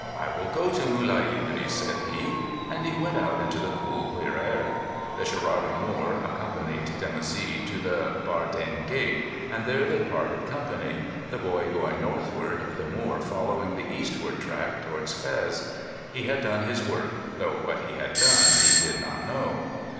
"I will go to Mulai Idris," said he, and he went out into the cool, clear air. The Sherarda Moor accompanied Dimoussi to the Bordain Gate, and there they parted company, the boy going northward, the Moor following the eastward track towards Fez. He had done his work, though what he had done he did not know.